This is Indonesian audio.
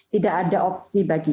tidak ada opsi bagi